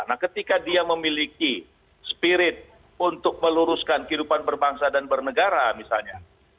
nah ketika dia memiliki spirit untuk meluruskan kehidupan berbangsa dan bernegara misalnya